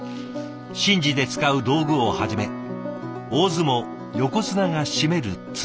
神事で使う道具をはじめ大相撲横綱が締める綱まで。